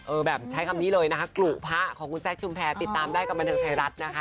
แบบใช้คำนี้เลยนะคะกรุพระของคุณแซคชุมแพรติดตามได้กับบันเทิงไทยรัฐนะคะ